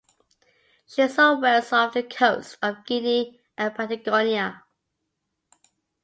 She sought whales off the coasts of Guinea and Patagonia.